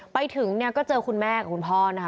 ไปถึงเนี่ยก็เจอคุณแม่กับคุณพ่อนะคะ